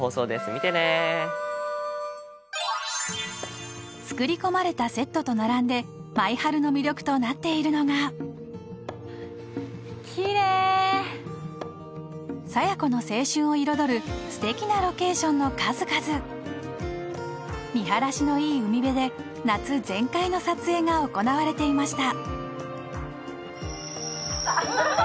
見てね作り込まれたセットと並んで「マイハル」の魅力となっているのがキレイ佐弥子の青春を彩るステキなロケーションの数々見晴らしのいい海辺で夏全開の撮影が行われていました